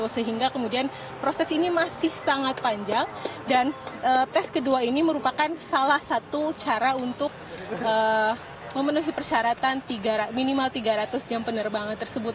sehingga kemudian proses ini masih sangat panjang dan tes kedua ini merupakan salah satu cara untuk memenuhi persyaratan minimal tiga ratus jam penerbangan tersebut